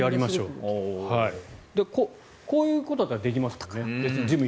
こういうことはできますもんね。